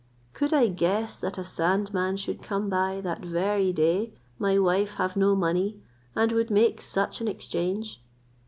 Could I guess that a sandman should come by that very day, my wife have no money, and would make such an exchange?